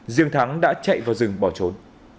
riêng thắng đã chạy vào rừng bỏ trốn